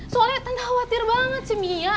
soalnya kan khawatir banget sih mia